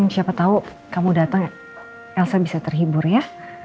siapa tahu kamu datang elsa bisa terhibur ya